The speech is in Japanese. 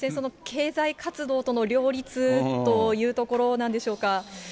経済活動との両立というところなんでしょうか。